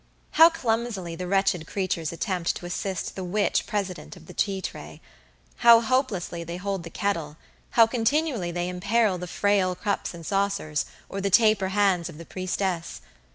How clumsily the wretched creatures attempt to assist the witch president of the tea tray; how hopelessly they hold the kettle, how continually they imperil the frail cups and saucers, or the taper hands of the priestess.